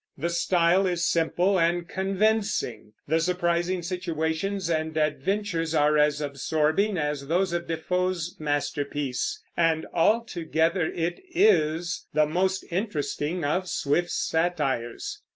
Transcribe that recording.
The style is simple and convincing; the surprising situations and adventures are as absorbing as those of Defoe's masterpiece; and altogether it is the most interesting of Swift's satires.